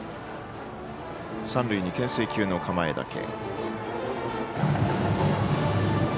三塁に、けん制球の構えだけ。